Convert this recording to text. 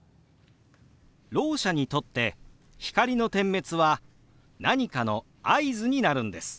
ろう者にとって光の点滅は何かの合図になるんです。